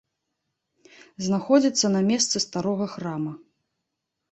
Знаходзіцца на месцы старога храма.